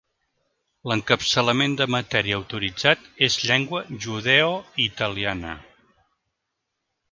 L'encapçalament de matèria autoritzat és "llengua judeoitaliana".